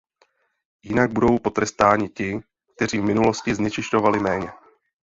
Jinak budou potrestáni ti, kteří v minulosti znečišťovali méně.